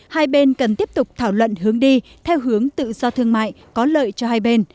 hai bên cần tiếp tục thảo luận hướng đi theo hướng tự do thương mại có lợi cho hai bên